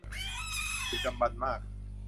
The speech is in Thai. ดึกดำบรรพ์มาก